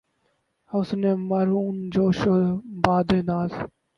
حسن مرہون جوش بادۂ ناز